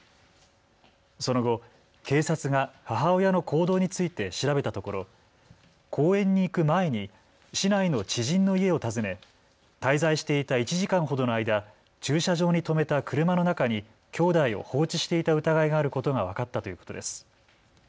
その後、警察が母親の行動について調べたところ公園に行く前に市内の知人の家を訪ね滞在していた１時間ほどの間、駐車場に止めた車の中にきょうだいを放置していた疑いがあることが分かったということです。